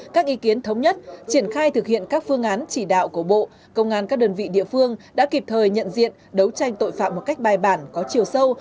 các ý kiến thống nhất triển khai thực hiện các phương án chỉ đạo của bộ công an các đơn vị địa phương đã kịp thời nhận diện đấu tranh tội phạm một cách bài bản có chiều sâu